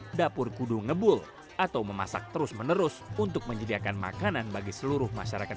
di dapur kudu ngebul atau memasak terus menerus untuk menyediakan makanan bagi seluruh masyarakat